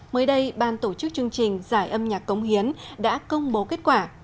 mới đây ban tổ chức chương trình giải âm nhạc cống hiến đã công bố kết quả